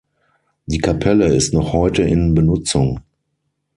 Die Kapelle ist noch heute in Benutzung.